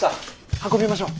運びましょう。